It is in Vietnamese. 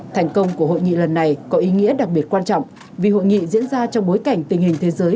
thành công của hội nghị lần này có ý nghĩa đặc biệt quan trọng vì hội nghị diễn ra trong bối cảnh tình hình thế giới